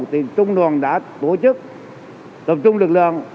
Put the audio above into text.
trung đoàn đã tổ chức tập trung lực lượng